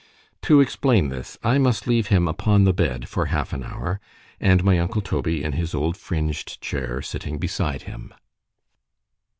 To explain this, I must leave him upon the bed for half an hour—and my uncle Toby in his old fringed chair sitting beside him.